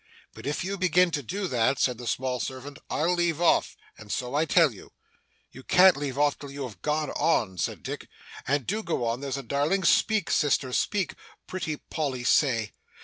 'But if you begin to do that,' said the small servant, 'I'll leave off. And so I tell you.' 'You can't leave off, till you have gone on,' said Dick. 'And do go on, there's a darling. Speak, sister, speak. Pretty Polly say.